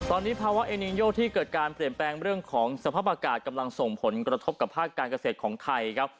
ตอนนี้ภาวะเอนินโยที่เกิดการเปลี่ยนแปลงเรื่องของสภาพอากาศกำลังส่งผลกระทบกับภาคการเกษตรของไทยครับ